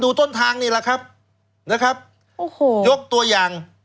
ต้นทางนี่แหละครับนะครับโอ้โหยกตัวอย่าง